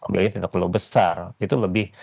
beliau tidak terlalu besar itu lebih